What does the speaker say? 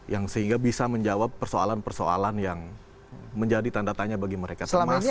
yang sehingga bisa menjawab persoalan persoalan yang menjadi tanda tanya bagi mereka termasuk